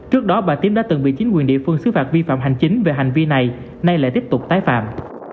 trước đó bà tiếp đã từng bị chính quyền địa phương xứ phạt vi phạm hành chính về hành vi này nay lại tiếp tục tái phạm